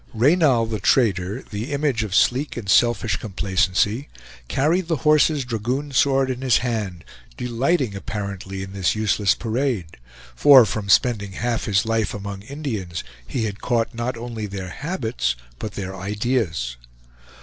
Reynal, the trader, the image of sleek and selfish complacency, carried The Horse's dragoon sword in his hand, delighting apparently in this useless parade; for, from spending half his life among Indians, he had caught not only their habits but their ideas.